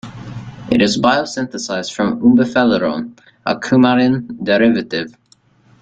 It is biosynthesized from umbelliferone, a coumarin derivative.